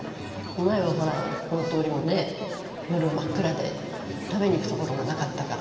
前はほらこの通りもね夜真っ暗で食べに行く所もなかったから。